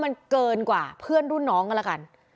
มันเกินกว่าเพื่อนรุ่นน้องกันแล้วกัน